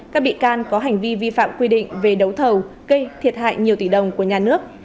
các bị can có hành vi vi phạm quy định về đấu thầu gây thiệt hại nhiều tỷ đồng của nhà nước